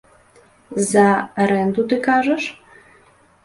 За арэнду, ты кажаш?